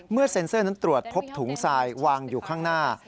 เซ็นเซอร์นั้นตรวจพบถุงทรายวางอยู่ข้างหน้า